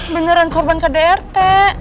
beneran korban kdrt